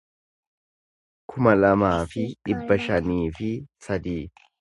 kuma lamaa fi dhibba shanii fi sadii